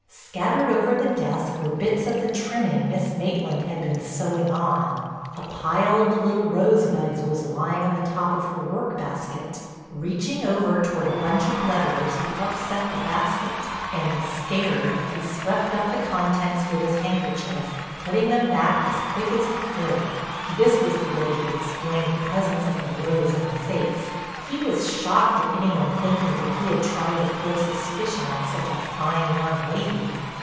Scattered over the desk were bits of the trimming Miss Maitland had been sewing on; a pile of the little rosebuds was lying on the top of her work basket. Reaching over toward a bunch of letters he upset the basket, and, scared, he swept up the contents with his handkerchief, putting them back as quick as he could. This was the way he explained the presence of the rose in the safe. He was shocked at any one thinking that he had tried to throw suspicion on such a fine young lady.